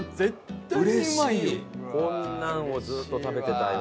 こんなのをずっと食べてたいわ。